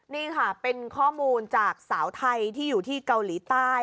นี่ค่ะเป็นข้อมูลจากสาวไทยที่อยู่ที่เกาหลีใต้